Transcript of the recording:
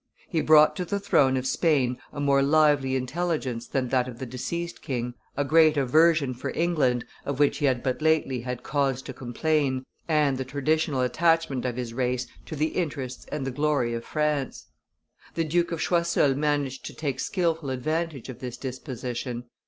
He brought to the throne of Spain a more lively intelligence than that of the deceased king, a great aversion for England, of which he had but lately had cause to complain, and the traditional attachment of his race to the interests and the glory of France. The Duke of Choiseul managed to take skilful advantage of this disposition.